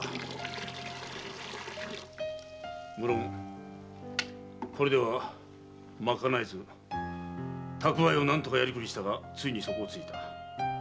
むろんこれでは賄えず蓄えを何とかやりくりしたがついに底をついた。